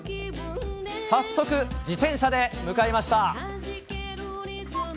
早速、自転車で向かいました。